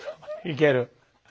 いける！